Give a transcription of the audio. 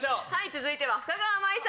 続いては深川麻衣さんです。